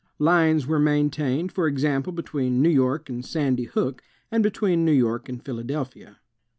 Lines were maintained, for example, between New York and Sandy Hook, and between New York and Philadelphia.